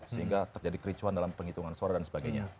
sehingga terjadi kericuhan dalam penghitungan suara dan sebagainya